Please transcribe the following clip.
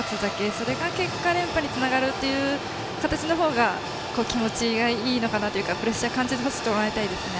それが結果、連覇につながる形の方が気持ちがいいのかなというかプレッシャーを感じず走ってもらいたいですね。